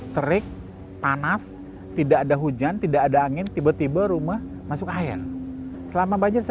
terik panas tidak ada hujan tidak ada angin tiba tiba rumah masuk air selama banjir saya